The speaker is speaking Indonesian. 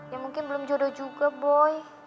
ya mungkin belum jodoh juga boy